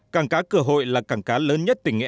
cảng cá cửa hội là cảng cá lớn nhất tỉnh nghệ an